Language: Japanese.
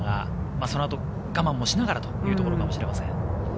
そのあと我慢をしながらということかもしれません。